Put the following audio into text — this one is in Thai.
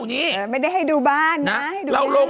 ทั้งนี้ไม่ได้ให้ดูบ้าน